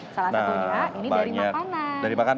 salah satunya ini dari makanan